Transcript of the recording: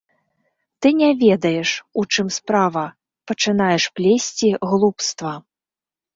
Ты не ведаеш, у чым справа, пачынаеш плесці глупства.